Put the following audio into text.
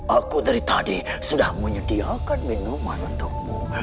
aku dari tadi sudah menyediakan minuman untukmu